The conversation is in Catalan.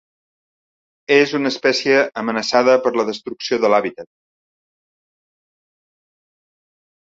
És una espècie amenaçada per la destrucció de l'hàbitat.